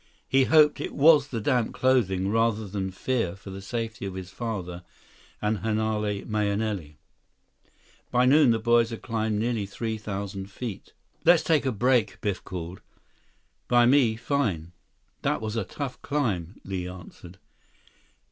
He hoped it was the damp clothing, rather than fear for the safety of his father and Hanale Mahenili. By noon, the boys had climbed nearly three thousand feet. "Let's take a break," Biff called. "By me, fine. That was a tough climb," Li answered.